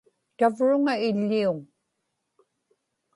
tavruŋa iḷḷiuŋ